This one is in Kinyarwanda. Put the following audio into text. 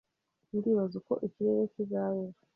Ndibaza uko ikirere kizaba ejo